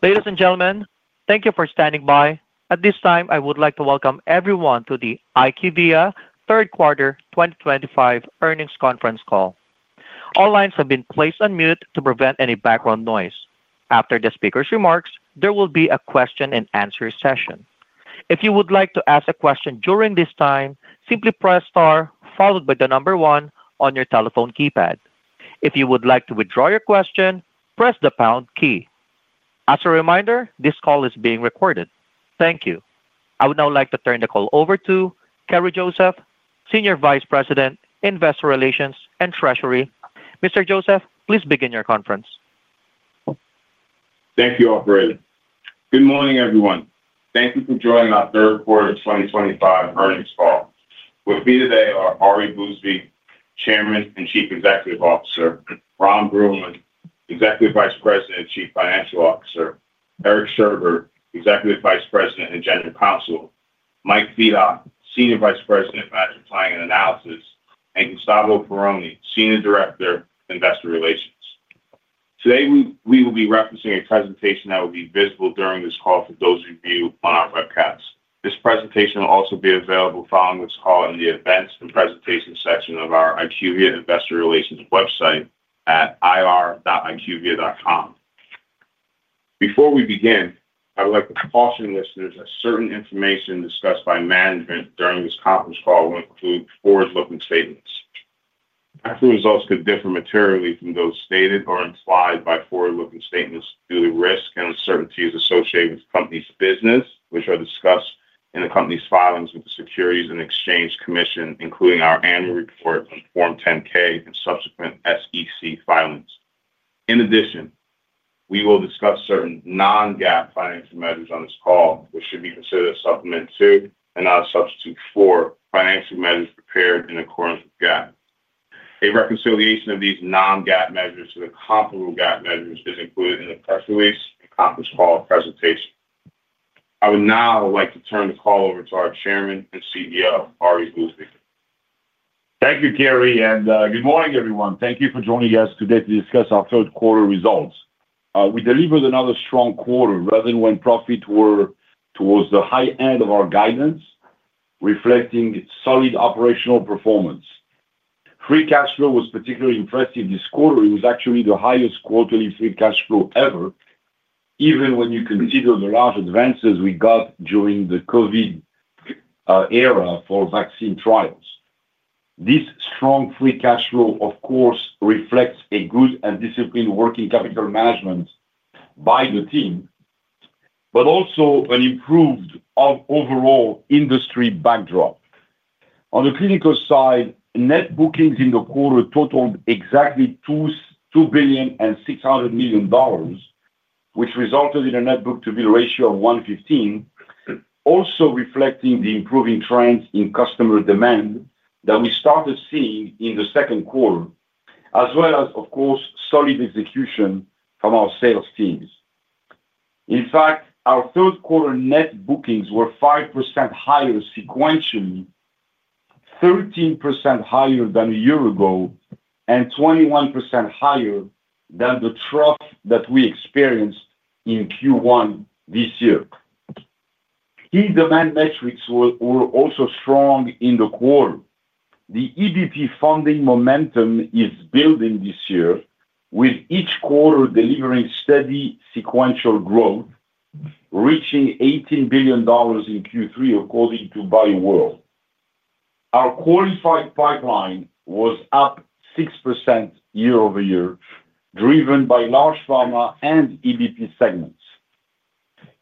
Ladies and gentlemen, thank you for standing by. At this time, I would like to welcome everyone to the IQVIA third quarter 2025 earnings conference call. All lines have been placed on mute to prevent any background noise. After the speaker's remarks, there will be a question and answer session. If you would like to ask a question during this time, simply press star followed by the number one on your telephone keypad. If you would like to withdraw your question, press the pound key. As a reminder, this call is being recorded. Thank you. I would now like to turn the call over to Kerri Joseph, Senior Vice President, Investor Relations and Treasury. Mr. Joseph, please begin your conference. Thank you, Operator. Good morning, everyone. Thank you for joining our third quarter 2025 earnings call. With me today are Ari Bousbib, Chairman and Chief Executive Officer, Ron Bruehlman, Executive Vice President and Chief Financial Officer, Eric Sherbet, Executive Vice President and General Counsel, Mike Fedock, Senior Vice President, Managing Planning and Analysis, and Gustavo Perrone, Senior Director, Investor Relations. Today, we will be referencing a presentation that will be visible during this call for those of you on our webcast. This presentation will also be available following this call in the Events and Presentations section of our IQVIA Investor Relations website at ir.iqvia.com. Before we begin, I would like to caution listeners that certain information discussed by management during this conference call will include forward-looking statements. Actual results could differ materially from those stated or implied by forward-looking statements due to the risk and uncertainties associated with the company's business, which are discussed in the company's filings with the Securities and Exchange Commission, including our annual report on Form 10-K and subsequent SEC filings. In addition, we will discuss certain non-GAAP financial measures on this call, which should be considered a supplement to and not a substitute for financial measures prepared in accordance with GAAP. A reconciliation of these non-GAAP measures to the comparable GAAP measures is included in the press release and conference call presentation. I would now like to turn the call over to our Chairman and CEO, Ari Bousbib. Thank you, Kerri, and good morning, everyone. Thank you for joining us today to discuss our third quarter results. We delivered another strong quarter, with profit towards the high end of our guidance, reflecting solid operational performance. Free cash flow was particularly impressive this quarter. It was actually the highest quarterly free cash flow ever, even when you consider the large advances we got during the COVID era for vaccine trials. This strong free cash flow, of course, reflects good and disciplined working capital management by the team, but also an improved overall industry backdrop. On the clinical side, net bookings in the quarter totaled exactly $2.6 billion, which resulted in a net book-to-bill ratio of 115, also reflecting the improving trends in customer demand that we started seeing in the second quarter, as well as, of course, solid execution from our sales teams. In fact, our third quarter net bookings were 5% higher sequentially, 13% higher than a year ago, and 21% higher than the trough that we experienced in Q1 this year. Key demand metrics were also strong in the quarter. The biotech funding momentum is building this year, with each quarter delivering steady sequential growth, reaching $18 billion in Q3, according to BioWorld. Our qualified pipeline was up 6% year-over-year, driven by large pharma and biotech segments.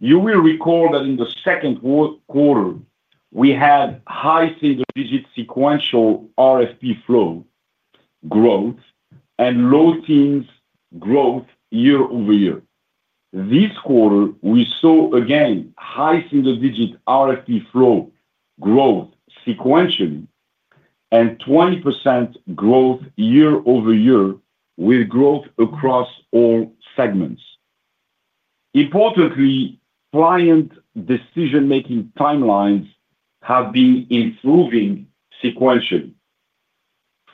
You will recall that in the second quarter, we had high single-digit sequential RFP flow growth and low teens growth year-over-year. This quarter, we saw again high single-digit RFP flow growth sequentially and 20% growth year-over-year, with growth across all segments. Importantly, client decision-making timelines have been improving sequentially.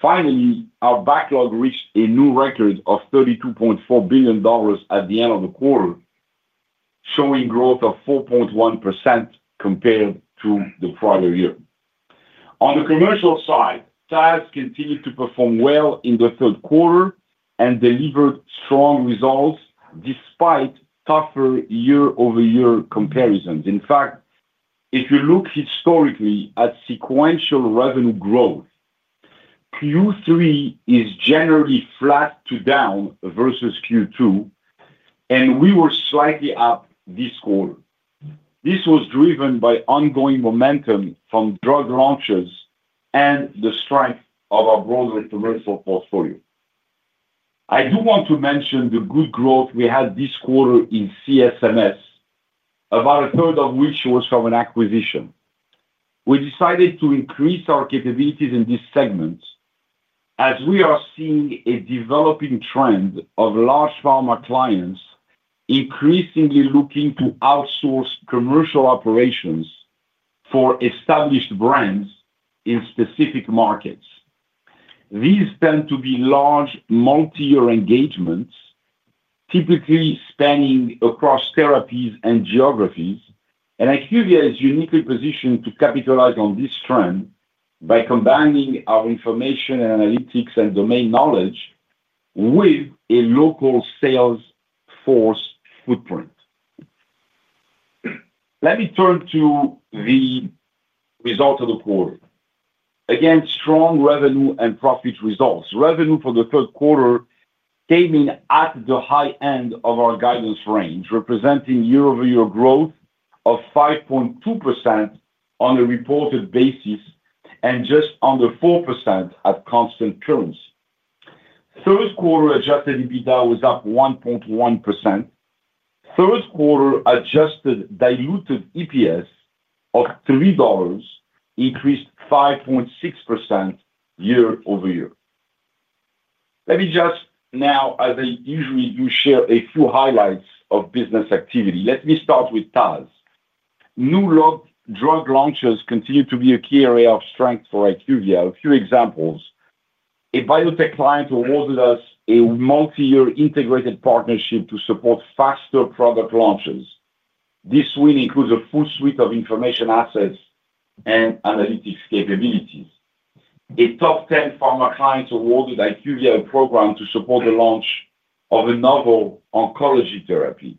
Finally, our backlog reached a new record of $32.4 billion at the end of the quarter, showing growth of 4.1% compared to the prior year. On the commercial side, TASS continued to perform well in the third quarter and delivered strong results despite tougher year-over-year comparisons. In fact, if you look historically at sequential revenue growth, Q3 is generally flat to down versus Q2, and we were slightly up this quarter. This was driven by ongoing momentum from drug launches and the strength of our broader commercial portfolio. I do want to mention the good growth we had this quarter in CSMS, about a third of which was from an acquisition. We decided to increase our capabilities in this segment as we are seeing a developing trend of large pharma clients increasingly looking to outsource commercial operations for established brands in specific markets. These tend to be large, multi-year engagements, typically spanning across therapies and geographies, and IQVIA is uniquely positioned to capitalize on this trend by combining our information and analytics and domain knowledge with a local sales force footprint. Let me turn to the results of the quarter. Again, strong revenue and profit results. Revenue for the third quarter came in at the high end of our guidance range, representing year-over-year growth of 5.2% on a reported basis and just under 4% at constant currency. Third quarter adjusted EBITDA was up 1.1%. Third quarter adjusted diluted EPS of $3 increased 5.6% year-over-year. Let me just now, as I usually do, share a few highlights of business activity. Let me start with TASS. New drug launches continue to be a key area of strength for IQVIA. A few examples. A biotech client awarded us a multi-year integrated partnership to support faster product launches. This win includes a full suite of information assets and analytics capabilities. A top 10 pharma client awarded IQVIA a program to support the launch of a novel oncology therapy.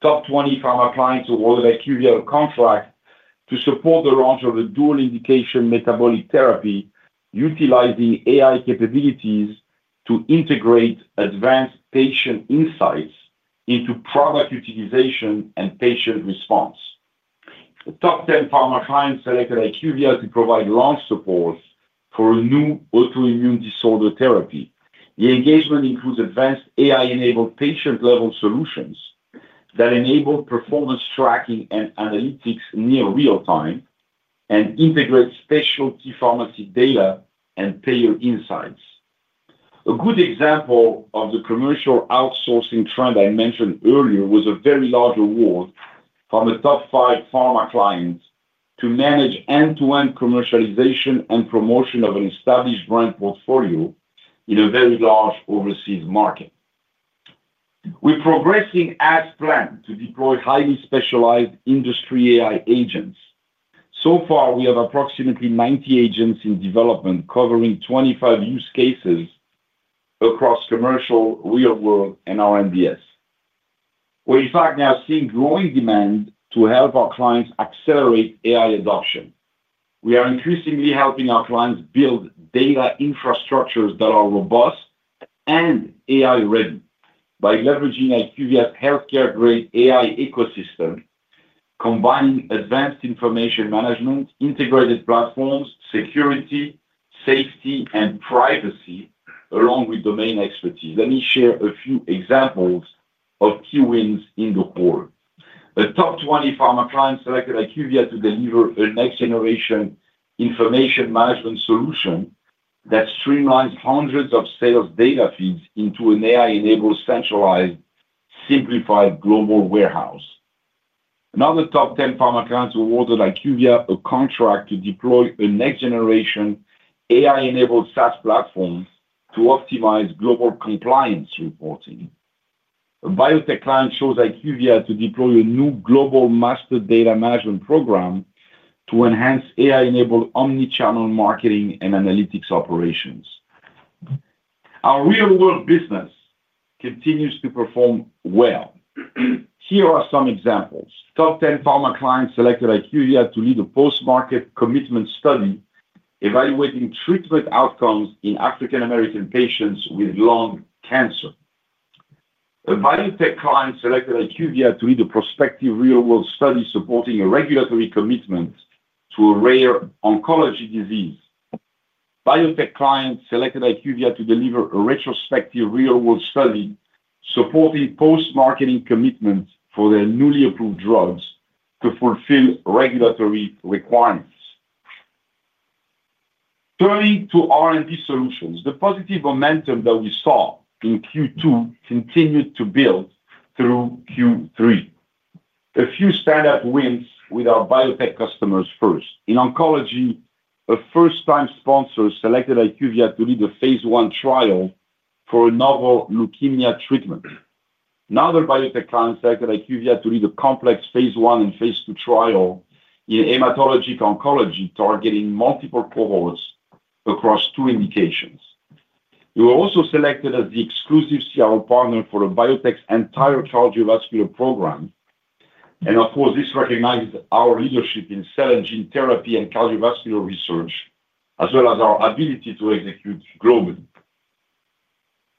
Top 20 pharma clients awarded IQVIA a contract to support the launch of a dual indication metabolic therapy utilizing AI capabilities to integrate advanced patient insights into product utilization and patient response. A top 10 pharma client selected IQVIA to provide launch support for a new autoimmune disorder therapy. The engagement includes advanced AI-enabled patient-level solutions that enable performance tracking and analytics near real-time and integrate specialty pharmacy data and payer insights. A good example of the commercial outsourcing trend I mentioned earlier was a very large award from a top five pharma client to manage end-to-end commercialization and promotion of an established brand portfolio in a very large overseas market. We're progressing as planned to deploy highly specialized industry AI agents. So far, we have approximately 90 agents in development covering 25 use cases across commercial, real-world, and R&DS. We're in fact now seeing growing demand to help our clients accelerate AI adoption. We are increasingly helping our clients build data infrastructures that are robust and AI-ready by leveraging IQVIA's healthcare-grade AI ecosystem, combining advanced information management, integrated platforms, security, safety, and privacy, along with domain expertise. Let me share a few examples of key wins in the quarter. A top 20 pharma client selected IQVIA to deliver a next-generation information management solution that streamlines hundreds of sales data feeds into an AI-enabled, centralized, simplified global warehouse. Another top 10 pharma client awarded IQVIA a contract to deploy a next-generation AI-enabled SaaS platform to optimize global compliance reporting. A biotech client chose IQVIA to deploy a new global master data management program to enhance AI-enabled omnichannel marketing and analytics operations. Our real-world business continues to perform well. Here are some examples. Top 10 pharma clients selected IQVIA to lead a post-market commitment study evaluating treatment outcomes in African-American patients with lung cancer. A biotech client selected IQVIA to lead a prospective real-world study supporting a regulatory commitment to a rare oncology disease. A biotech client selected IQVIA to deliver a retrospective real-world study supporting post-marketing commitments for their newly approved drugs to fulfill regulatory requirements. Turning to R&D Solutions, the positive momentum that we saw in Q2 continued to build through Q3. A few stand-up wins with our biotech customers first. In oncology, a first-time sponsor selected IQVIA to lead a phase one trial for a novel leukemia treatment. Another biotech client selected IQVIA to lead a complex phase one and phase two trial in hematologic oncology, targeting multiple cohorts across two indications. It was also selected as the exclusive CRO partner for a biotech's entire cardiovascular program. This recognizes our leadership in cell and gene therapy and cardiovascular research, as well as our ability to execute globally.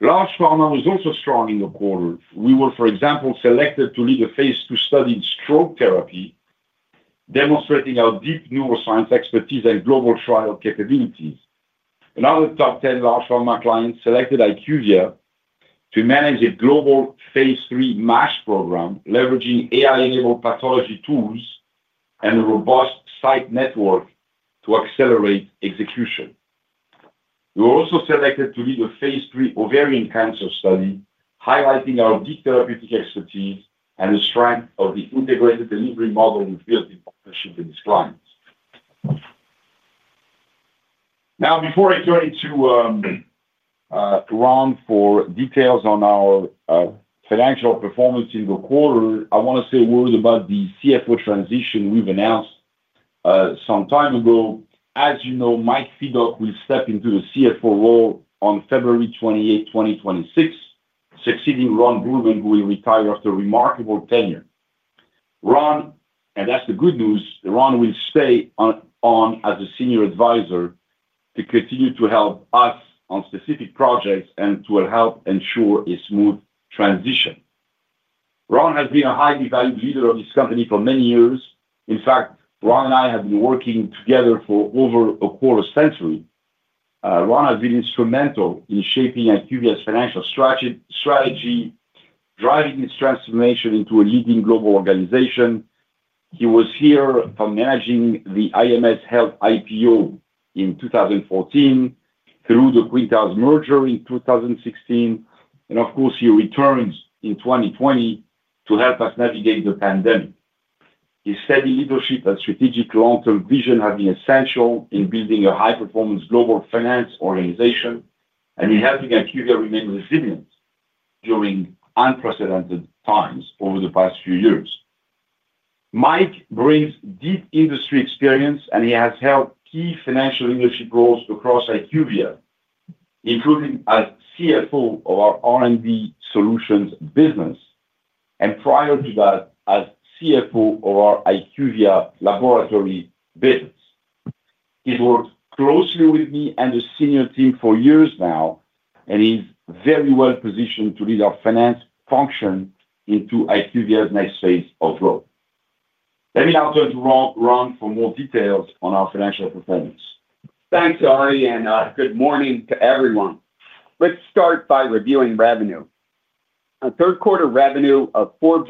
Large pharma was also strong in the quarter. For example, we were selected to lead a phase two study in stroke therapy, demonstrating our deep neuroscience expertise and global trial capabilities. Another top 10 large pharma client selected IQVIA to manage a global phase III MASH program, leveraging AI-enabled pathology tools and a robust site network to accelerate execution. We were also selected to lead a phase III ovarian cancer study, highlighting our deep therapeutic expertise and the strength of the integrated delivery model we've built in partnership with these clients. Now, before I turn it to Ron for details on our financial performance in the quarter, I want to say a word about the CFO transition we've announced some time ago. As you know, Mike Fedock will step into the CFO role on February 28, 2026, succeeding Ron Bruehlman, who will retire after a remarkable tenure. That's the good news. Ron will stay on as a Senior Advisor to continue to help us on specific projects and to help ensure a smooth transition. Ron has been a highly valued leader of this company for many years. In fact, Ron and I have been working together for over a quarter century. Ron has been instrumental in shaping IQVIA's financial strategy, driving its transformation into a leading global organization. He was here from managing the IMS Health IPO in 2014 through the Quintiles merger in 2016. He returned in 2020 to help us navigate the pandemic. His steady leadership and strategic long-term vision have been essential in building a high-performance global finance organization and in helping IQVIA remain resilient during unprecedented times over the past few years. Mike brings deep industry experience, and he has held key financial leadership roles across IQVIA, including as CFO of our R&D Solutions business and prior to that, as CFO of our IQVIA laboratory business. He's worked closely with me and the senior team for years now, and he's very well positioned to lead our finance function into IQVIA's next phase of growth. Let me now turn to Ron for more details on our financial performance. Thanks, Ari, and good morning to everyone. Let's start by reviewing revenue. Our third quarter revenue of $4.1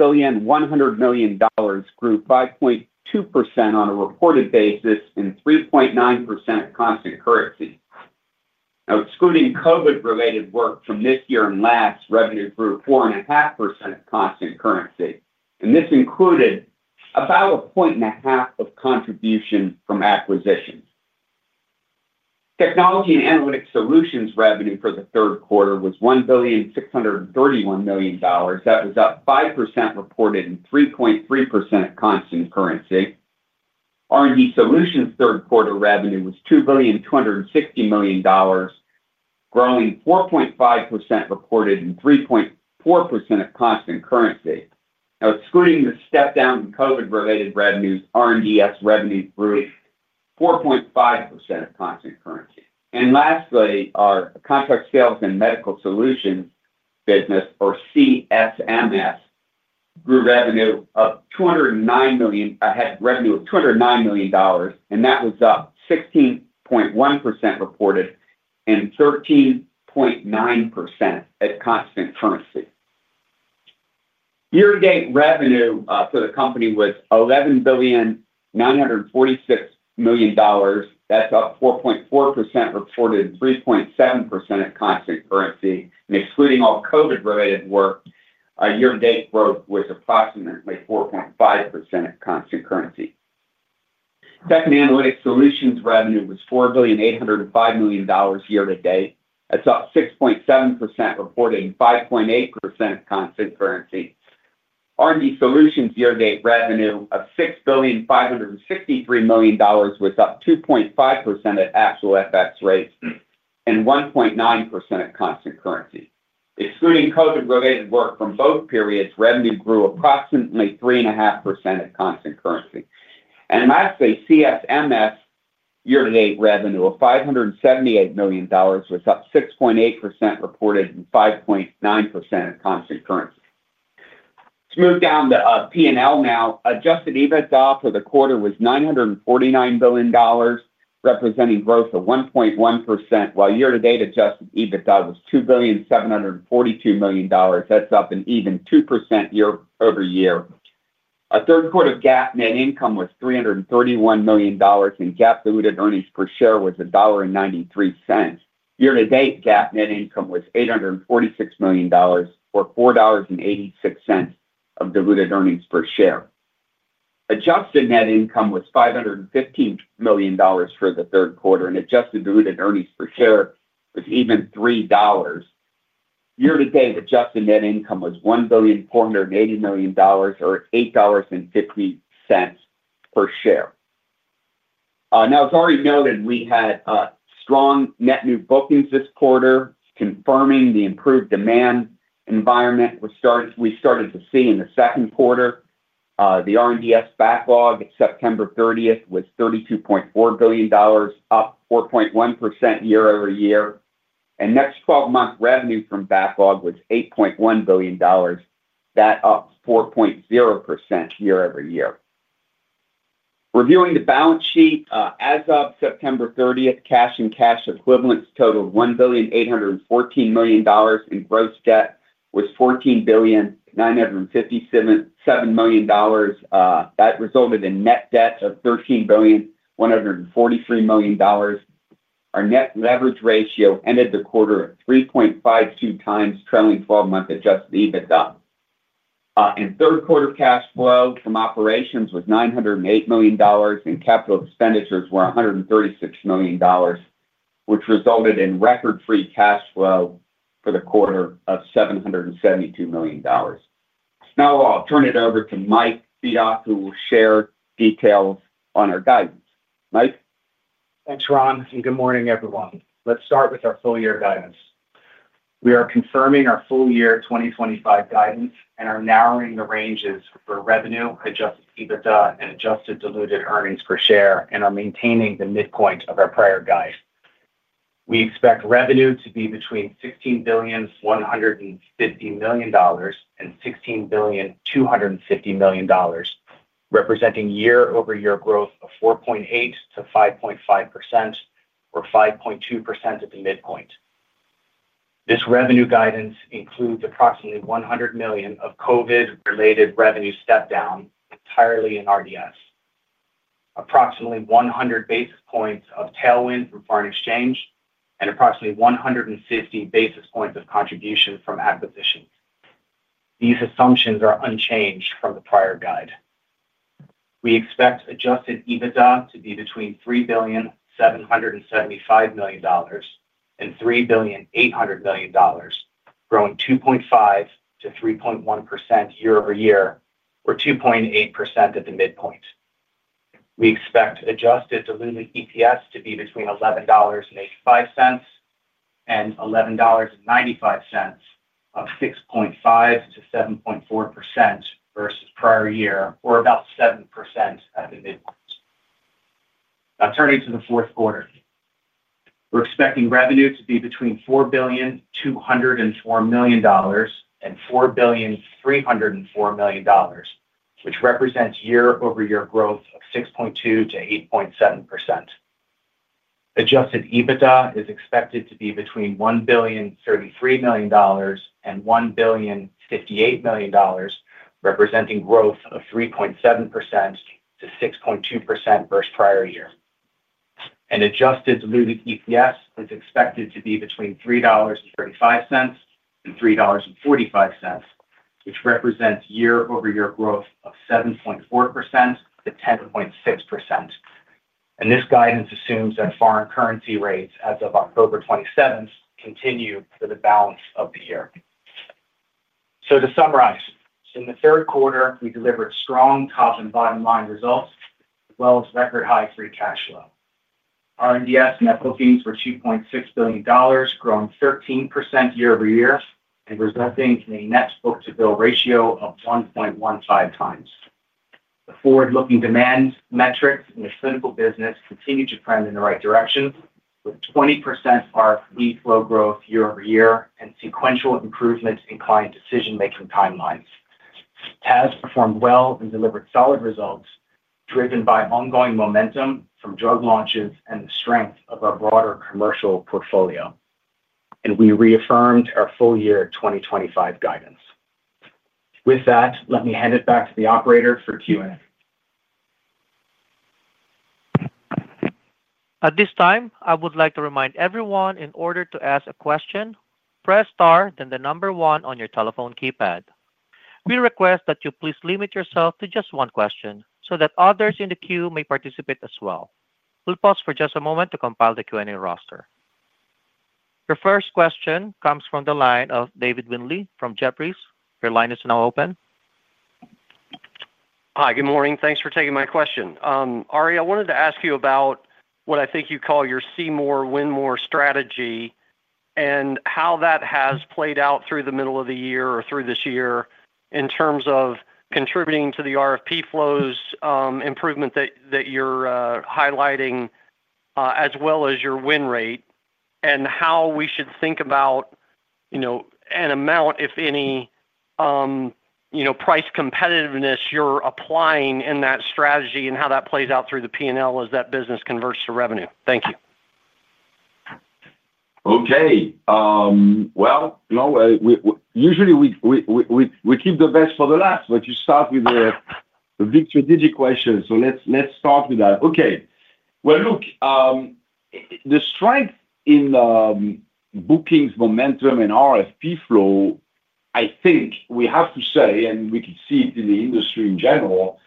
billion grew 5.2% on a reported basis and 3.9% at constant currency. Now, excluding COVID-related work from this year and last, revenue grew 4.5% at constant currency. This included about a point and a half of contribution from acquisitions. Technology and Analytics Solutions revenue for the third quarter was $1.631 billion, up 5% reported and 3.3% at constant currency. R&D Solutions third quarter revenue was $2.26 billion, growing 4.5% reported and 3.4% at constant currency. Excluding the step-down in COVID-related revenues, R&D Solutions revenue grew 4.5% at constant currency. Lastly, our Contract Sales and Medical Solutions business, or CSMS, had revenue of $209 million, up 16.1% reported and 13.9% at constant currency. Year-to-date revenue for the company was $11.946 billion, up 4.4% reported and 3.7% at constant currency. Excluding all COVID-related work, our year-to-date growth was approximately 4.5% at constant currency. Technology and Analytics Solutions revenue was $4.805 billion year-to-date, up 6.7% reported and 5.8% at constant currency. R&D Solutions year-to-date revenue of $6.563 billion was up 2.5% at actual FX rates and 1.9% at constant currency. Excluding COVID-related work from both periods, revenue grew approximately 3.5% at constant currency. CSMS year-to-date revenue of $578 million was up 6.8% reported and 5.9% at constant currency. Let's move down to P&L now. Adjusted EBITDA for the quarter was $949 million, representing growth of 1.1%, while year-to-date adjusted EBITDA was $2.742 billion, up an even 2% year-over-year. Our third quarter GAAP net income was $331 million and GAAP diluted earnings per share was $1.93. Year-to-date GAAP net income was $846 million or $4.86 of diluted earnings per share. Adjusted net income was $515 million for the third quarter, and adjusted diluted EPS was an even $3. Year-to-date adjusted net income was $1.48 billion or $8.50 per share. As Ari noted, we had strong net new bookings this quarter, confirming the improved demand environment we started to see in the second quarter. The R&D Solutions backlog as of September 30 was $32.4 billion, up 4.1% year-over-year. Next 12-month revenue from backlog was $8.1 billion, up 4.0% year-over-year. Reviewing the balance sheet, as of September 30, cash and cash equivalents totaled $1.814 billion and gross debt was $14.957 billion. That resulted in net debt of $13.143 billion. Our net leverage ratio ended the quarter at 3.52 times trailing 12-month adjusted EBITDA. Third quarter cash flow from operations was $908 million and capital expenditures were $136 million, which resulted in record free cash flow for the quarter of $772 million. Now I'll turn it over to Mike Fedock, who will share details on our guidance. Mike. Thanks, Ron, and good morning, everyone. Let's start with our full-year guidance. We are confirming our full-year 2025 guidance and are narrowing the ranges for revenue, adjusted EBITDA, and adjusted diluted earnings per share and are maintaining the midpoint of our prior guide. We expect revenue to be between $16.15 billion and $16.25 billion, representing year-over-year growth of 4.8% to 5.5% or 5.2% at the midpoint. This revenue guidance includes approximately $100 million of COVID-related revenue step-down entirely in R&DS, approximately 100 basis points of tailwind from foreign exchange, and approximately 150 basis points of contribution from acquisitions. These assumptions are unchanged from the prior guide. We expect adjusted EBITDA to be between $3.775 billion and $3.8 billion, growing 2.5% to 3.1% year-over-year or 2.8% at the midpoint. We expect adjusted diluted EPS to be between $11.85 and $11.95, up 6.5% to 7.4% versus prior year, or about 7% at the midpoint. Now, turning to the fourth quarter, we're expecting revenue to be between $4.204 billion and $4.304 billion, which represents year-over-year growth of 6.2% to 8.7%. Adjusted EBITDA is expected to be between $1.033 billion and $1.058 billion, representing growth of 3.7% to 6.2% versus prior year. Adjusted diluted EPS is expected to be between $3.35 and $3.45, which represents year-over-year growth of 7.4% to 10.6%. This guidance assumes that foreign currency rates as of October 27th continue for the balance of the year. To summarize, in the third quarter, we delivered strong top and bottom line results, as well as record high free cash flow. R&DS net bookings were $2.6 billion, growing 13% year-over-year and resulting in a net book-to-bill ratio of 1.15 times. The forward-looking demand metrics in the clinical business continue to trend in the right direction, with 20% RFP flow growth year-over-year and sequential improvements in client decision-making timelines. TASS performed well and delivered solid results, driven by ongoing momentum from drug launches and the strength of our broader commercial portfolio. We reaffirmed our full-year 2025 guidance. With that, let me hand it back to the operator for Q&A. At this time, I would like to remind everyone, in order to ask a question, press star, then the number one on your telephone keypad. We request that you please limit yourself to just one question so that others in the queue may participate as well. We'll pause for just a moment to compile the Q&A roster. Your first question comes from the line of David Windley from Jefferies. Your line is now open. Hi, good morning. Thanks for taking my question. Ari, I wanted to ask you about what I think you call your see more, win more strategy and how that has played out through the middle of the year or through this year in terms of contributing to the RFP flows improvement that you're highlighting, as well as your win rate and how we should think about, you know, an amount, if any, you know, price competitiveness you're applying in that strategy and how that plays out through the P&L as that business converts to revenue. Thank you. Okay. Usually we keep the best for the last, but you start with the big strategic question. Let's start with that. Okay. Look, the strength in bookings momentum and RFP flow, I think we have to say, and we can see it in the industry in general,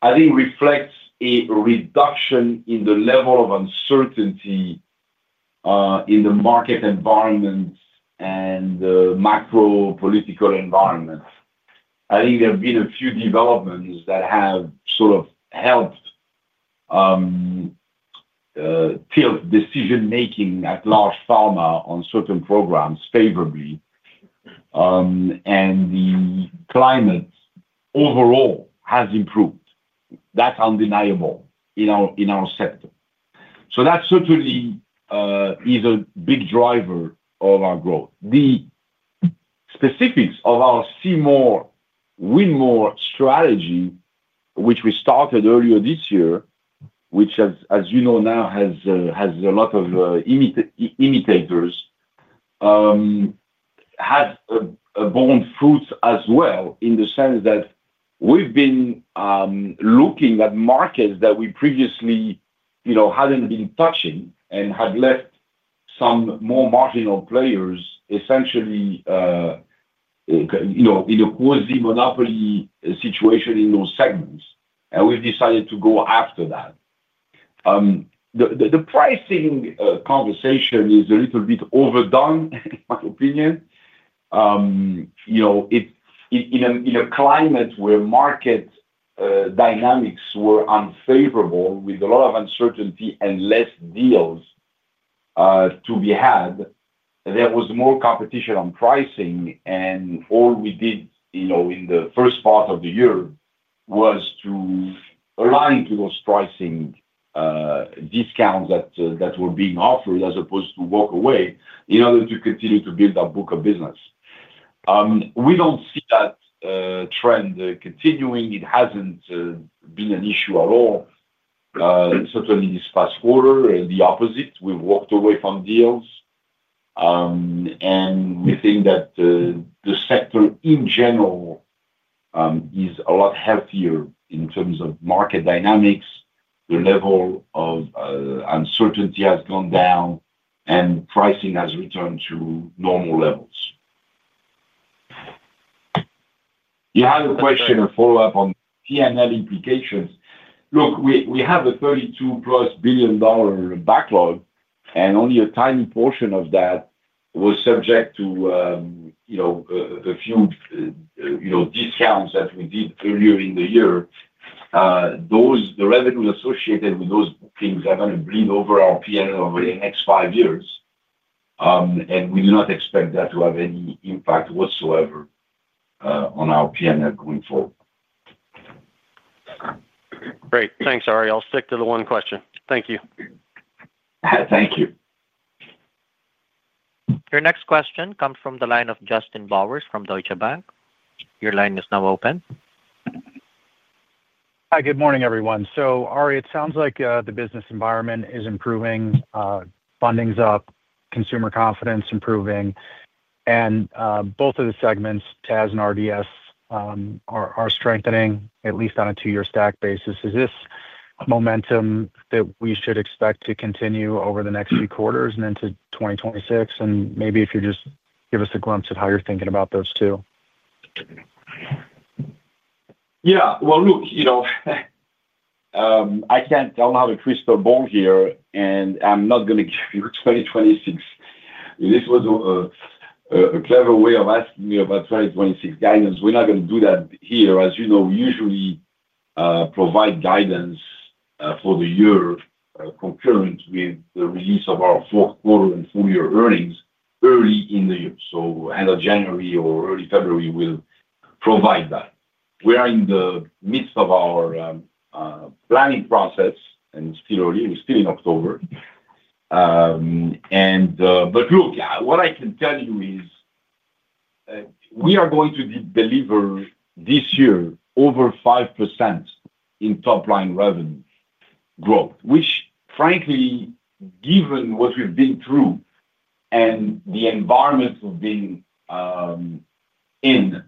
I think reflects a reduction in the level of uncertainty in the market environment and the macro political environment. I think there have been a few developments that have sort of helped tilt decision-making at large pharma on certain programs favorably. The climate overall has improved. That's undeniable in our sector. That certainly is a big driver of our growth. The specifics of our see more, win more strategy, which we started earlier this year, which has, as you know, now has a lot of imitators, has borne fruits as well in the sense that we've been looking at markets that we previously hadn't been touching and had left some more marginal players essentially in a quasi-monopoly situation in those segments. We've decided to go after that. The pricing conversation is a little bit overdone, in my opinion. In a climate where market dynamics were unfavorable, with a lot of uncertainty and fewer deals to be had, there was more competition on pricing. All we did in the first part of the year was to align to those pricing discounts that were being offered as opposed to walk away in order to continue to build our book of business. We don't see that trend continuing. It hasn't been an issue at all. Certainly, this past quarter, the opposite. We've walked away from deals. We think that the sector in general is a lot healthier in terms of market dynamics. The level of uncertainty has gone down and pricing has returned to normal levels. You had a question and follow-up on P&L implications. Look, we have a $32+ billion backlog, and only a tiny portion of that was subject to a few discounts that we did earlier in the year. The revenues associated with those things are going to bleed over our P&L over the next five years. We do not expect that to have any impact whatsoever on our P&L going forward. Great. Thanks, Ari. I'll stick to the one question. Thank you. Thank you. Your next question comes from the line of Justin Bowers from Deutsche Bank. Your line is now open. Hi, good morning, everyone. Ari, it sounds like the business environment is improving. Funding's up, consumer confidence improving, and both of the segments, TASS and R&DS, are strengthening, at least on a two-year stack basis. Is this momentum that we should expect to continue over the next few quarters and into 2026? Maybe if you just give us a glimpse at how you're thinking about those two. Yeah. Look, you know, I can't tell how to twist the ball here, and I'm not going to give you 2026. This was a clever way of asking me about 2026 guidance. We're not going to do that here. As you know, we usually provide guidance for the year concurrent with the release of our fourth quarter and full-year earnings early in the year. End of January or early February, we'll provide that. We are in the midst of our planning process, and it's still early. We're still in October. What I can tell you is we are going to deliver this year over 5% in top-line revenue growth, which, frankly, given what we've been through and the environment we've been in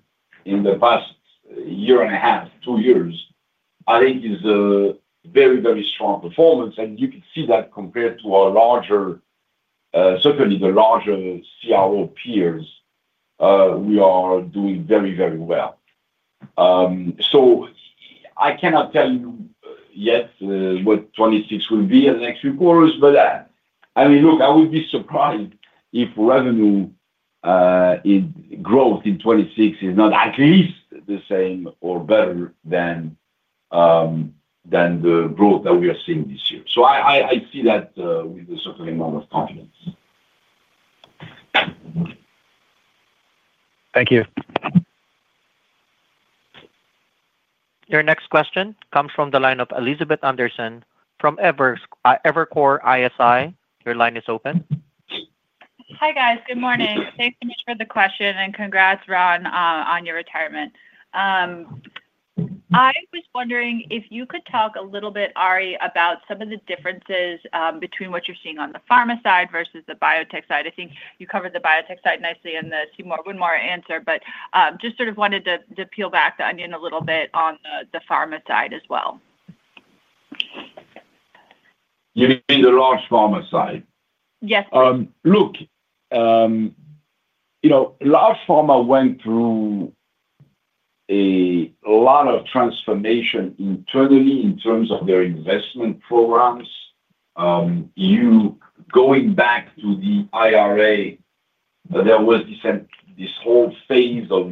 in the past year and a half, two years, I think is a very, very strong performance. You can see that compared to our larger, certainly the larger CRO peers, we are doing very, very well. I cannot tell you yet what 2026 will be in the next few quarters, but I mean, I would be surprised if revenue growth in 2026 is not at least the same or better than the growth that we are seeing this year. I see that with a certain amount of confidence. Thank you. Your next question comes from the line of Elizabeth Anderson from Evercore ISI. Your line is open. Hi, guys. Good morning. Thanks so much for the question and congrats, Ron, on your retirement. I was wondering if you could talk a little bit, Ari, about some of the differences between what you're seeing on the pharma side versus the biotech side. I think you covered the biotech side nicely in the see more, win more answer, but just sort of wanted to peel back the onion a little bit on the pharma side as well. You mean the large pharma side? Yes, please. Look, you know, large pharma went through a lot of transformation internally in terms of their investment programs. Going back to the IRA, there was this whole phase of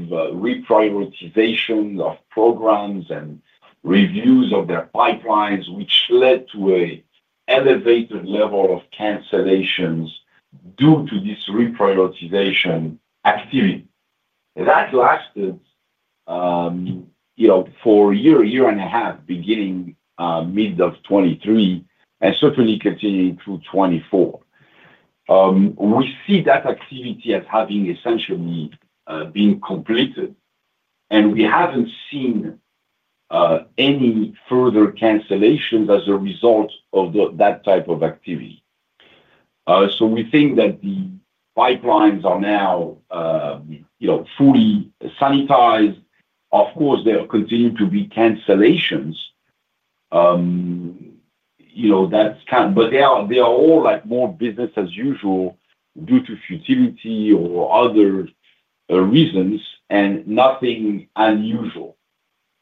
reprioritization of programs and reviews of their pipelines, which led to an elevated level of cancellations due to this reprioritization activity. That lasted for a year, year and a half, beginning mid of 2023 and certainly continuing through 2024. We see that activity as having essentially been completed. We haven't seen any further cancellations as a result of that type of activity. We think that the pipelines are now fully sanitized. Of course, there continue to be cancellations, but they are all more business as usual due to futility or other reasons and nothing unusual.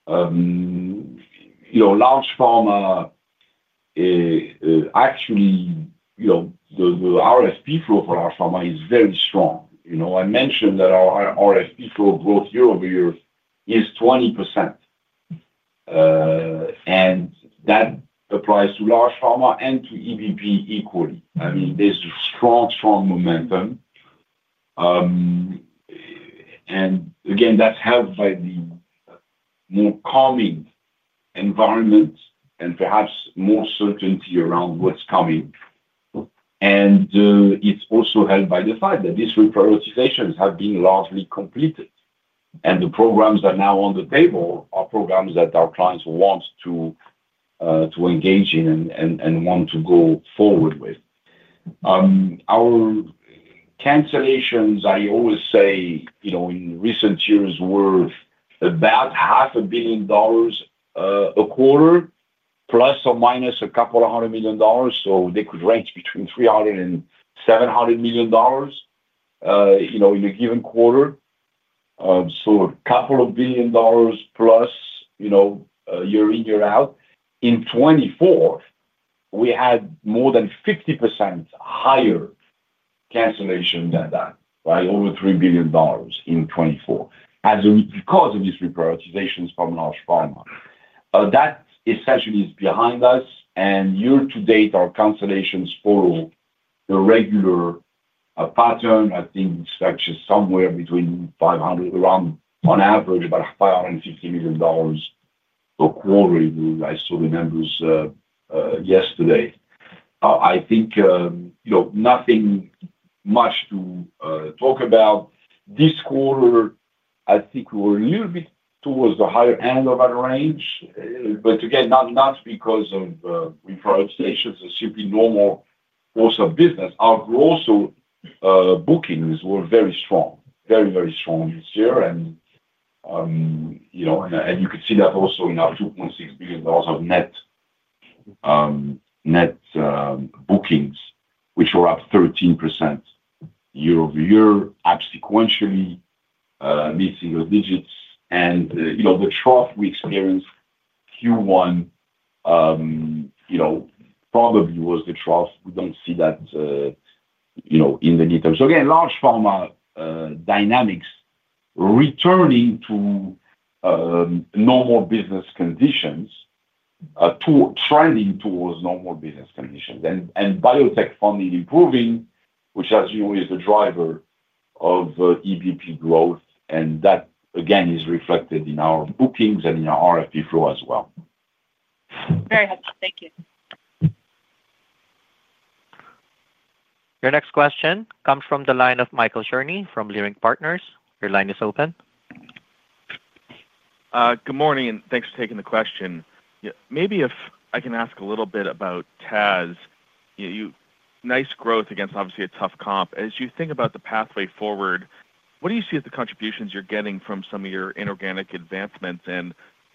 Large pharma, actually, the RFP flow for large pharma is very strong. I mentioned that our RFP flow growth year-over-year is 20%. That applies to large pharma and to EBP equally. There is a strong, strong momentum. That is helped by the more calming environment and perhaps more certainty around what's coming. It is also helped by the fact that these reprioritizations have been largely completed. The programs that are now on the table are programs that our clients want to engage in and want to go forward with. Our cancellations, I always say, in recent years were about half a billion dollars a quarter, plus or minus a couple of hundred million dollars. They could range between $300 million and $700 million in a given quarter. A couple of billion dollars plus, year in, year out. In 2024, we had more than 50% higher cancellation than that, over $3 billion in 2024, because of these reprioritizations from large pharma. That essentially is behind us. Year to date, our cancellations follow a regular pattern. I think it's actually somewhere between, on average, about $550 million a quarter. I saw the numbers yesterday. Nothing much to talk about. This quarter, we were a little bit towards the higher end of that range, not because of reprioritizations. It's simply normal course of business. Our growth, bookings were very strong, very, very strong this year. You can see that also in our $2.6 billion of net bookings, which were up 13% year-over-year, absequentially missing the digits. The trough we experienced Q1 probably was the trough. We don't see that in the details. Large pharma dynamics returning to normal business conditions, trending towards normal business conditions. Biotech funding improving, which, as you know, is the driver of EBP growth. That, again, is reflected in our bookings and in our RFP flow as well. Very helpful. Thank you. Your next question comes from the line of Michael Cherny from Leerink Partners. Your line is open. Good morning, and thanks for taking the question. Maybe if I can ask a little bit about TASS. You know, nice growth against, obviously, a tough comp. As you think about the pathway forward, what do you see as the contributions you're getting from some of your inorganic advancements?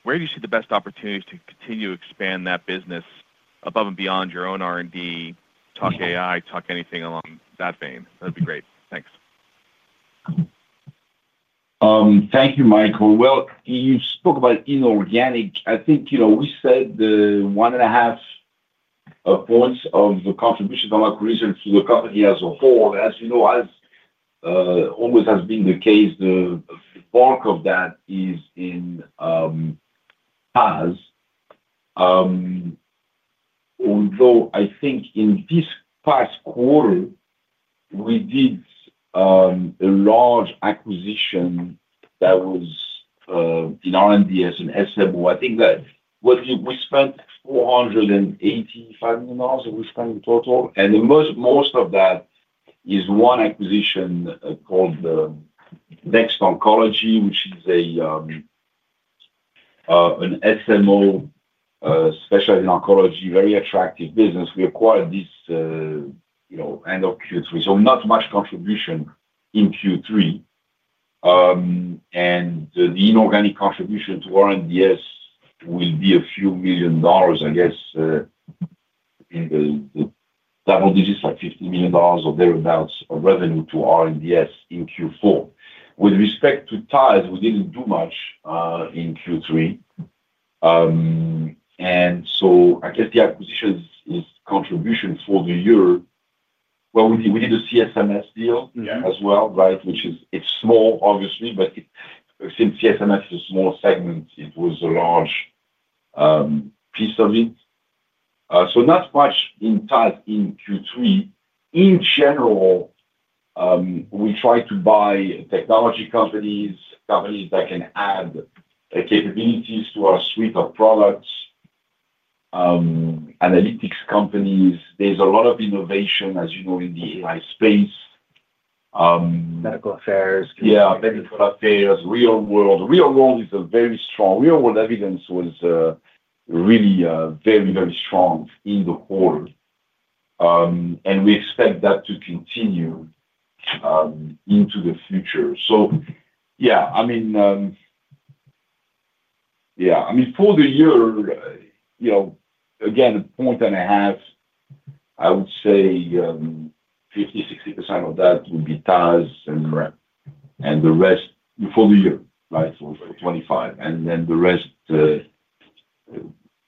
Where do you see the best opportunities to continue to expand that business above and beyond your own R&D? Talk AI, talk anything along that vein. That'd be great. Thanks. Thank you, Michael. You spoke about inorganic. I think, you know, we said the 1.5 points of the contributions of our research to the company as a whole. As you know, as always has been the case, the bulk of that is in TASS. Although I think in this past quarter, we did a large acquisition that was in R&DS and SFO. I think that what we spent $485 million that we spent in total. Most of that is one acquisition called Next Oncology, which is an SMO special in oncology, very attractive business. We acquired this end of Q3, so not much contribution in Q3. The inorganic contribution to R&DS will be a few million dollars, I guess, in the double digits, like $50 million or thereabouts of revenue to R&DS in Q4. With respect to TASS, we didn't do much in Q3. I guess the acquisition is contribution for the year. We did a CSMS deal as well, right, which is small, obviously, but since CSMS is a small segment, it was a large piece of it. Not much in TASS in Q3. In general, we try to buy technology companies, companies that can add capabilities to our suite of products, analytics companies. There's a lot of innovation, as you know, in the AI space. Medical Affairs, Clinical Affairs. Medical affairs, real-world. Real-world is very strong. Real-world evidence was really very, very strong in the quarter. We expect that to continue into the future. For the year, again, a point and a half, I would say 50%-60% of that would be TASS and the rest for the year, right, for 2025. The rest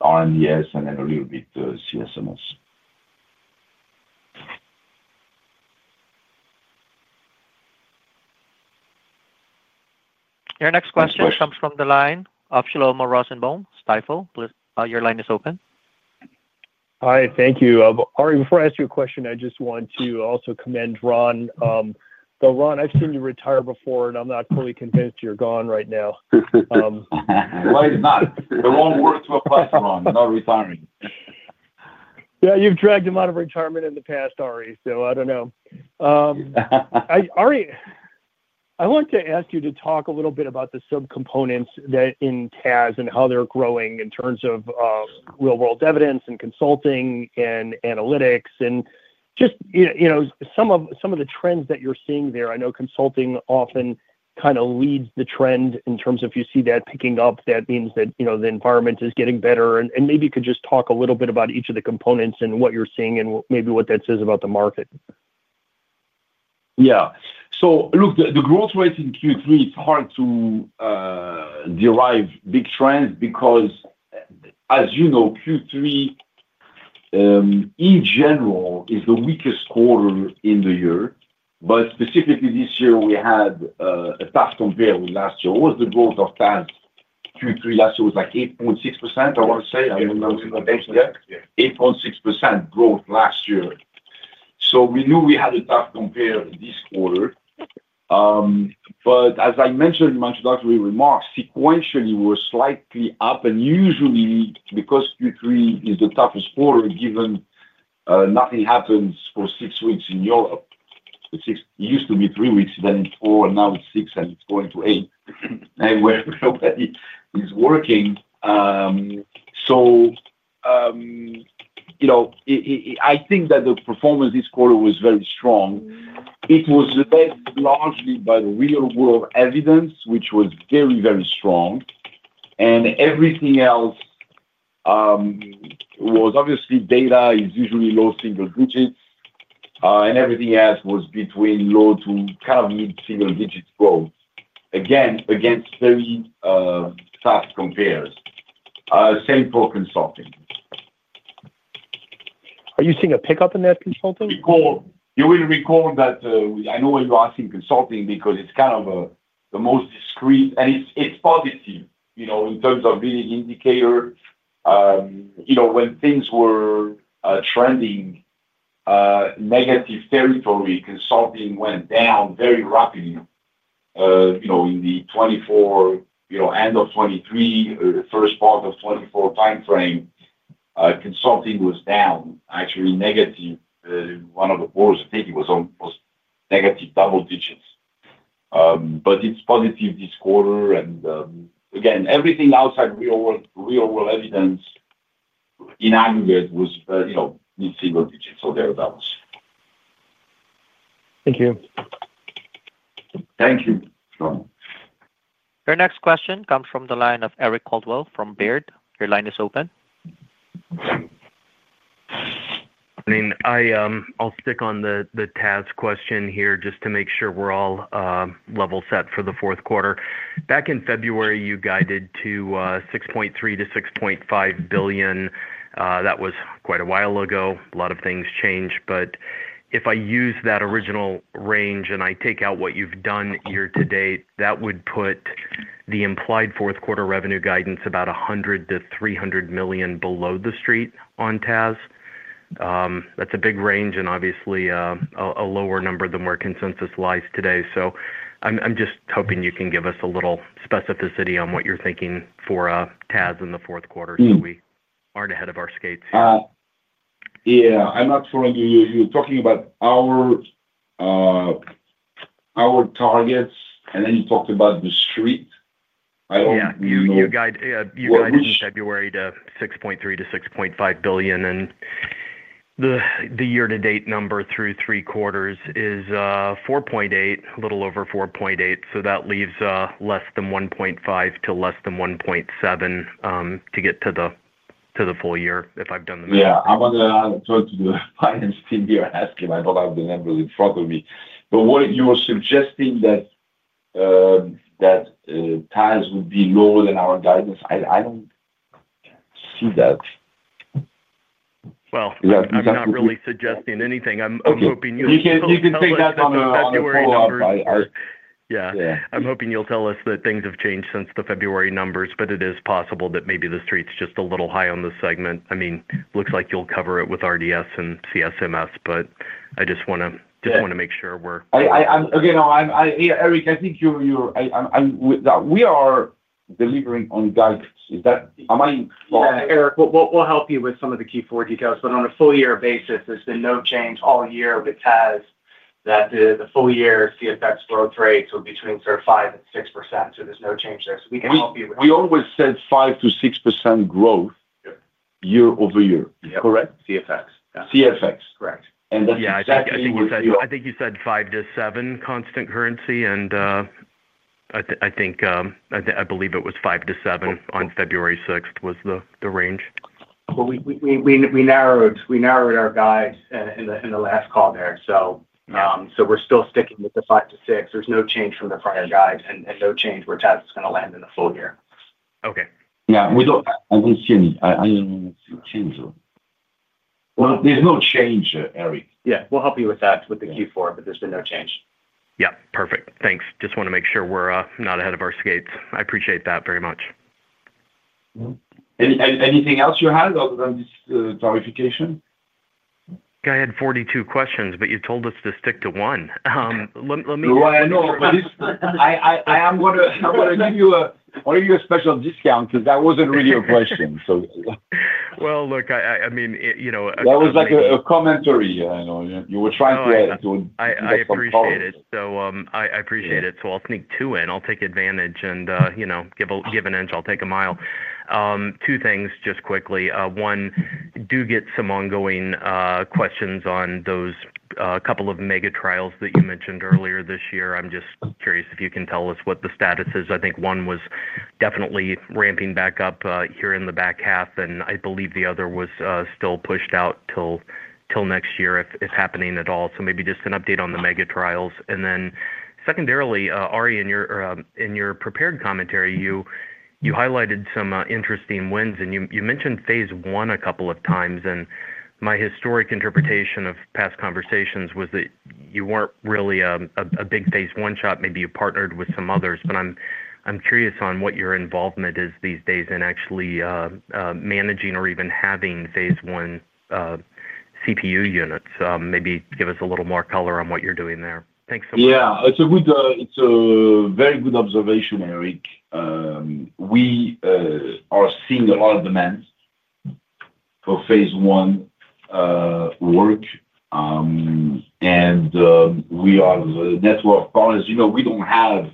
R&DS and then a little bit CSMS. Your next question comes from the line of Shlomo Rosenbaum from Stifel. Your line is open. Hi. Thank you. Ari, before I ask you a question, I just want to also commend Ron. Ron, I've seen you retire before, and I'm not fully convinced you're gone right now. No, I'm not. The wrong word to apply, Ron, not retiring. Yeah, you've dragged him out of retirement in the past, Ari, so I don't know. Ari, I want to ask you to talk a little bit about the subcomponents that in TASS and how they're growing in terms of real-world evidence and consulting and analytics, and just, you know, some of the trends that you're seeing there. I know consulting often kind of leads the trend in terms of if you see that picking up, that means that, you know, the environment is getting better. Maybe you could just talk a little bit about each of the components and what you're seeing and maybe what that says about the market. Yeah. Look, the growth rate in Q3, it's hard to derive big trends because, as you know, Q3, in general, is the weakest quarter in the year. Specifically this year, we had a tough compare with last year. What was the growth of TASS Q3 last year? It was like 8.6%, I want to say. I don't remember the number. Yeah. 8.6% growth last year. We knew we had a tough compare this quarter. As I mentioned in my introductory remarks, sequentially, we're slightly up. Usually, because Q3 is the toughest quarter, given nothing happens for six weeks in Europe. It used to be three weeks, then it's four, and now it's six, and it's going to eight. Anyway, nobody is working. I think that the performance this quarter was very strong. It was led largely by the real-world evidence, which was very, very strong. Everything else was obviously data is usually low single digits, and everything else was between low to kind of mid-single digits growth. Again, against very tough compares, same for consulting. Are you seeing a pickup in that consulting? You will recall that I know why you're asking consulting because it's kind of the most discreet and it's positive, you know, in terms of leading indicator. When things were trending negative territory, consulting went down very rapidly. In 2024, end of 2023, first part of 2024 timeframe, consulting was down, actually negative. One of the boards, I think it was almost negative double digits. It's positive this quarter. Everything outside real-world evidence in aggregate was, you know, in single digits or thereabouts. Thank you. Thank you. Your next question comes from the line of Eric Coldwell from Baird. Your line is open. I'll stick on the TASS question here just to make sure we're all level set for the fourth quarter. Back in February, you guided to $6.3-$6.5 billion. That was quite a while ago. A lot of things changed. If I use that original range and I take out what you've done year to date, that would put the implied fourth quarter revenue guidance about $100-$300 million below the street on TASS. That's a big range and obviously a lower number than where consensus lies today. I'm just hoping you can give us a little specificity on what you're thinking for TASS in the fourth quarter so we aren't ahead of our skates here. Yeah, I'm not sure you're talking about our targets, and then you talked about the street. You guided from February to $6.3-$6.5 billion. The year-to-date number through three quarters is a little over $4.8 billion. That leaves less than $1.5 to less than $1.7 billion to get to the full year, if I've done the math. Yeah. I am going to talk to the finance team here and ask them. I do not have the numbers in front of me. What you are suggesting, that TASS would be lower than our guidance, I do not see that. You're not really suggesting anything. I'm hoping you'll tell us. You can take that on your follow-up. Yeah. I'm hoping you'll tell us that things have changed since the February numbers, but it is possible that maybe the street's just a little high on this segment. It looks like you'll cover it with R&DS and CSMS, but I just want to make sure we're. Again, Eric, I think I'm with that. We are delivering on guidance. Is that, am I wrong? Yeah. Eric, we'll help you with some of the Q4 details. On a full-year basis, there's been no change all year with TASS that the full-year CFX growth rates were between 5% and 6%. There's no change there. We can help you with that. We always said 5%-6% growth year-over-year, correct? Yeah. CFX. CFX. Correct. That is exactly what we are. I think you said 5%-7% constant currency. I think I believe it was 5%-7% on February 6th was the range. We narrowed our guide in the last call there. We're still sticking with the 5%-6%. There's no change from the prior guide and no change where TASS is going to land in the full year. Okay. I don't see any change. There's no change, Eric. We'll help you with that with the Q4, but there's been no change. Perfect. Thanks. Just want to make sure we're not ahead of our skates. I appreciate that very much. Anything else you had other than this clarification? Guy had 42 questions, but you told us to stick to one. Let me. No, I know, but I am going to give you a special discount because that wasn't really your question. I mean, you know. That was like a commentary. I know you were trying to get some color. I appreciate it. I'll sneak two in. I'll take advantage and, you know, give an inch. I'll take a mile. Two things just quickly. One, do get some ongoing questions on those couple of mega trials that you mentioned earlier this year. I'm just curious if you can tell us what the status is. I think one was definitely ramping back up here in the back half, and I believe the other was still pushed out till next year if happening at all. Maybe just an update on the mega trials. Secondarily, Ari, in your prepared commentary, you highlighted some interesting wins. You mentioned phase one a couple of times. My historic interpretation of past conversations was that you weren't really a big phase one shop. Maybe you partnered with some others. I'm curious on what your involvement is these days in actually managing or even having phase one CPU units. Maybe give us a little more color on what you're doing there. Thanks so much. Yeah. It's a very good observation, Eric. We are seeing a lot of demand for phase I work. We are the network partners. You know, we don't have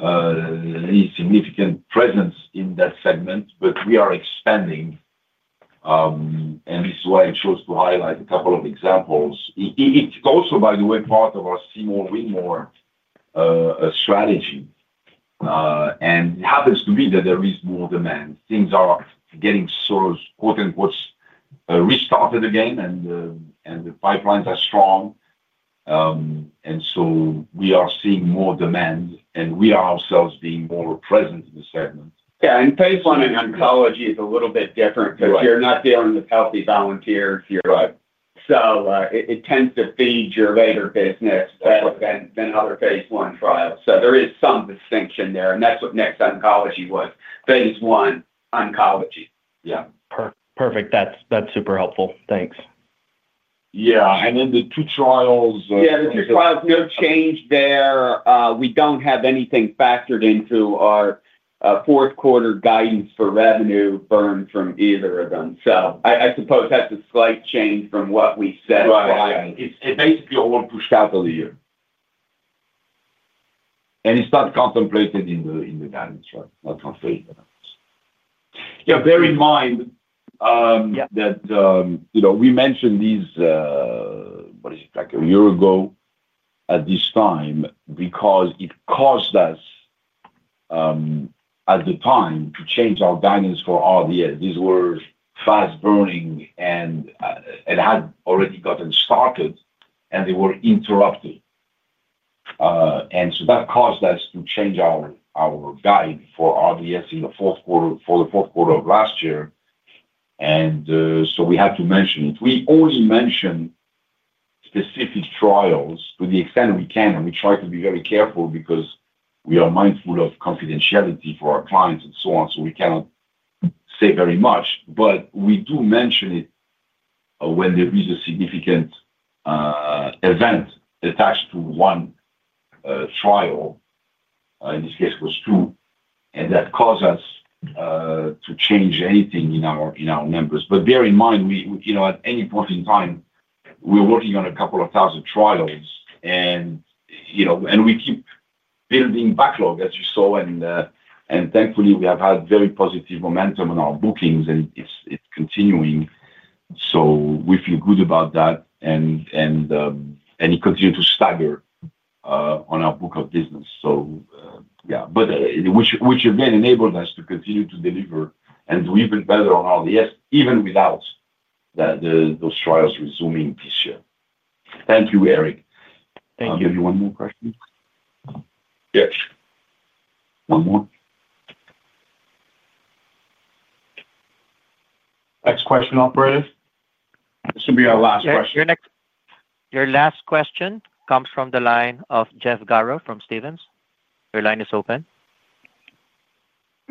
any significant presence in that segment, but we are expanding. This is why I chose to highlight a couple of examples. It's also, by the way, part of our see more, win more strategy. It happens to be that there is more demand. Things are getting, quote-unquote, "restarted again," and the pipelines are strong. We are seeing more demand, and we are ourselves being more present in the segment. Yeah. Phase I in oncology is a little bit different because you're not dealing with healthy volunteers. You're right, it tends to feed your later business than other phase one trials. There is some distinction there. That's what Next Oncology was, phase I oncology. Yeah, perfect. That's super helpful. Thanks. Yeah, the two trials. Yeah, the two trials, no change there. We don't have anything factored into our fourth quarter guidance for revenue burn from either of them. I suppose that's a slight change from what we said for. Right. It's basically all pushed out of the year, and it's not contemplated in the guidance, right? Not. Yeah. Bear in mind that, you know, we mentioned these, what is it, like a year ago at this time because it caused us at the time to change our guidance for R&DS. These were fast burning and had already gotten started, and they were interrupted. That caused us to change our guide for R&DS in the fourth quarter for the fourth quarter of last year, and we had to mention it. We only mention specific trials to the extent we can, and we try to be very careful because we are mindful of confidentiality for our clients and so on. We cannot say very much, but we do mention it when there is a significant event attached to one trial. In this case, it was two, and that caused us to change anything in our numbers. Bear in mind, you know, at any point in time, we're working on a couple of thousand trials, and we keep building backlog, as you saw. Thankfully, we have had very positive momentum in our bookings, and it's continuing. We feel good about that, and it continued to stagger on our book of business. Which, again, enabled us to continue to deliver and do even better on R&DS, even without those trials resuming this year. Thank you, Eric. Thank you. I'll give you one more question. Yes. One more. Next question, operator. This will be our last question. Your last question comes from the line of Jeff Garro from Stephens. Your line is open.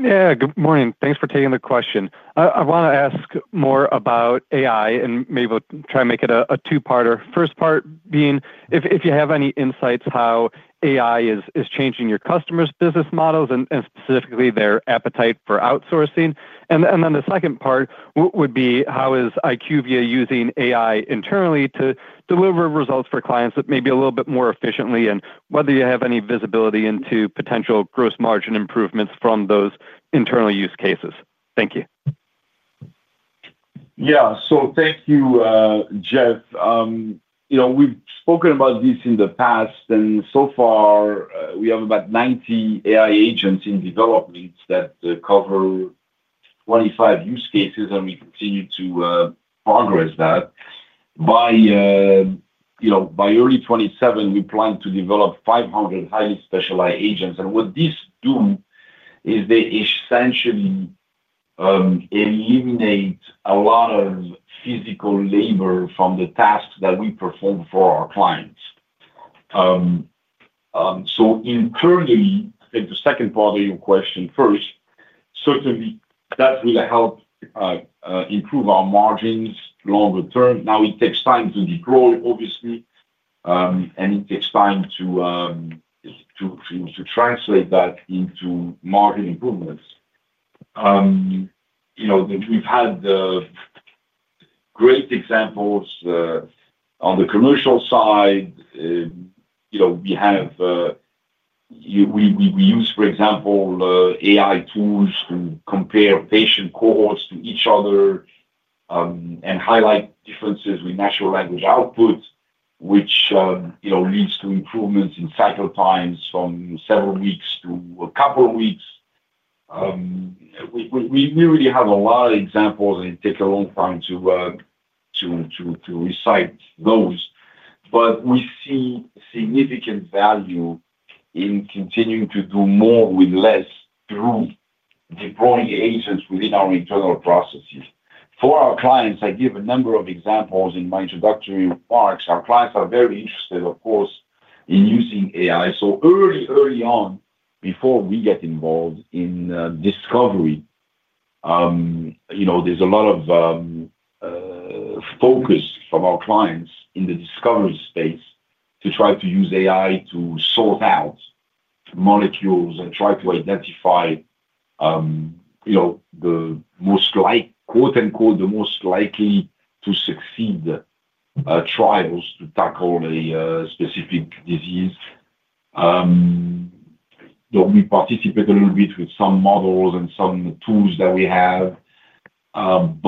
Good morning. Thanks for taking the question. I want to ask more about AI and maybe try to make it a two-parter. First part being if you have any insights on how AI is changing your customers' business models and specifically their appetite for outsourcing. The second part would be how is IQVIA using AI internally to deliver results for clients that may be a little bit more efficiently and whether you have any visibility into potential gross margin improvements from those internal use cases. Thank you. Yeah. Thank you, Jeff. You know, we've spoken about this in the past. So far, we have about 90 AI agents in development that cover 25 use cases, and we continue to progress that. By early 2027, we plan to develop 500 highly specialized agents. What these do is they essentially eliminate a lot of physical labor from the tasks that we perform for our clients. Internally, I think the second part of your question first, certainly, that will help improve our margins longer term. It takes time to deploy, obviously, and it takes time to translate that into margin improvements. We've had great examples on the commercial side. We use, for example, AI tools to compare patient cohorts to each other and highlight differences with natural language output, which leads to improvements in cycle times from several weeks to a couple of weeks. We really have a lot of examples, and it takes a long time to recite those. We see significant value in continuing to do more with less through deploying agents within our internal processes. For our clients, I give a number of examples in my introductory remarks. Our clients are very interested, of course, in using AI. Early on, before we get involved in discovery, there's a lot of focus from our clients in the discovery space to try to use AI to sort out molecules and try to identify, you know, the most like, quote-unquote, "the most likely to succeed" trials to tackle a specific disease. We participate a little bit with some models and some tools that we have. Later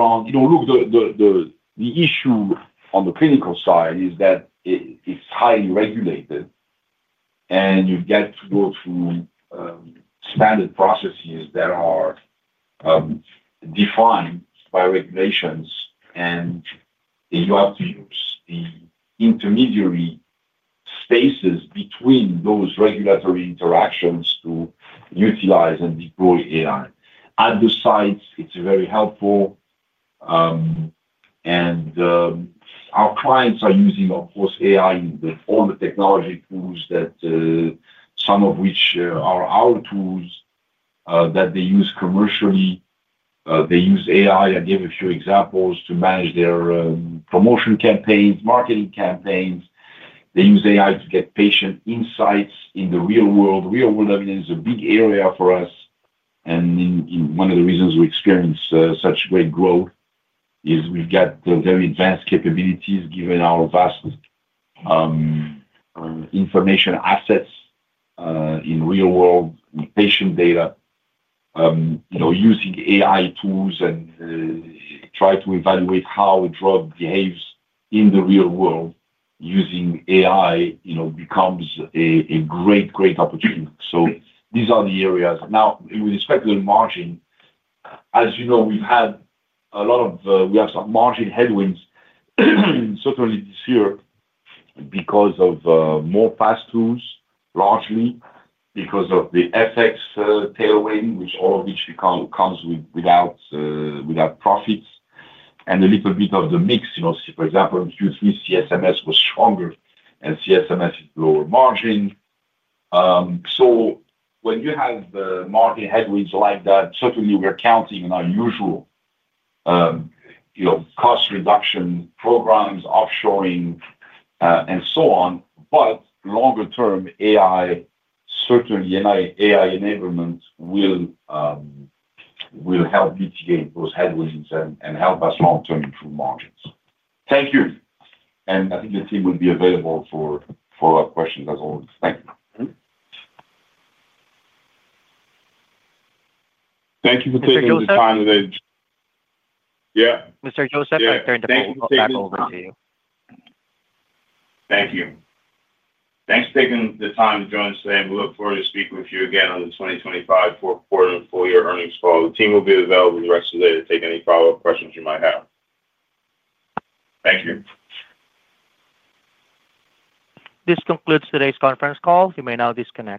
on, the issue on the clinical side is that it's highly regulated, and you get to go through standard processes that are defined by regulations. You have to use the intermediary spaces between those regulatory interactions to utilize and deploy AI. At the sites, it's very helpful. Our clients are using, of course, AI in all the technology tools, some of which are our tools that they use commercially. They use AI, I gave a few examples, to manage their promotion campaigns, marketing campaigns. They use AI to get patient insights in the real world. Real-world evidence is a big area for us. One of the reasons we experience such great growth is we've got very advanced capabilities given our vast information assets in real-world patient data. You know, using AI tools and trying to evaluate how a drug behaves in the real world using AI becomes a great, great opportunity. These are the areas. Now, with respect to the margin, as you know, we've had a lot of margin headwinds, certainly this year, because of more fast tools, largely because of the FX tailwind, all of which comes without profits, and a little bit of the mix. For example, in Q3, CSMS was stronger, and CSMS is lower margin. When you have margin headwinds like that, certainly, we're counting on our usual cost reduction programs, offshoring, and so on. Longer-term, AI certainly, and AI enablement will help mitigate those headwinds and help us long-term improve margins. Thank you. I think the team will be available for your questions, as always. Thank you. Thank you for taking the time today. Thank you for taking the time to join us today. We look forward to speaking with you again on the 2025 fourth quarter earnings call. The team will be available the rest of the day to take any follow-up questions you might have. Thank you. This concludes today's conference call. You may now disconnect.